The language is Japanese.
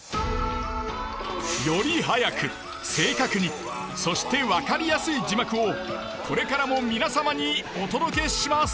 より速く正確にそして分かりやすい字幕をこれからも皆様にお届けします。